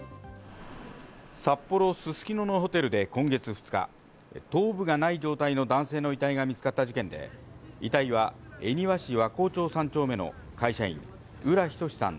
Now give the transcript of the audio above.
札幌・すすきののホテルで今月２日、頭部がない状態の男性の遺体が見つかった事件で、遺体は恵庭市和光町３丁目の会社員・浦仁志さん